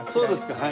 はい。